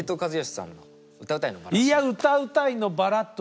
いや「歌うたいのバラッド」